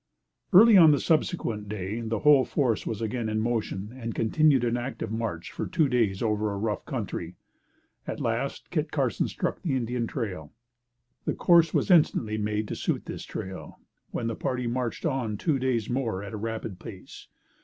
Early on the subsequent day the whole force was again in motion, and continued an active march for two days over a rough country. At last Kit Carson struck the Indian trail. The course was instantly made to suit this trail, when the party marched on two days more at a rapid pace.